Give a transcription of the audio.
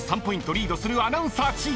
リードするアナウンサーチーム］